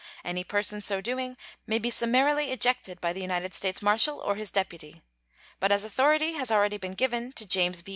Any person so doing may be summarily ejected by the United States marshal or his deputy. But as authority has already been given to James B.